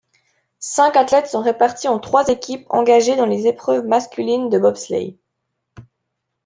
Cinq athlètes sont répartis en trois équipes engagées dans les épreuves masculines de bobsleigh.